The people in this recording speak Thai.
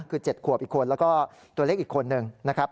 คือ๗ขวบอีกคนแล้วก็ตัวเล็กอีกคนนึงนะครับ